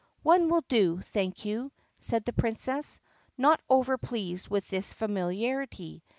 "One will do, thank you," said the Princess, not overpleased with this familiarity.